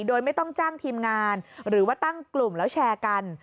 โดยไม่ต้องจ้างทีมงานหรือว่าตั้งกลุ่มแล้วแชร์กัน